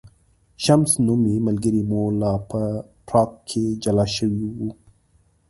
شمس نومی ملګری مو لا په پراګ کې جلا شوی و.